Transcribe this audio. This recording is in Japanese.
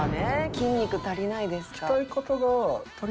“筋肉足りないですか？”」